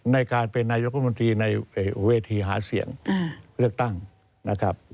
ในการเป็นนายกรมนตรีในเวทีหาเสียงเลือกตั้งนะครับ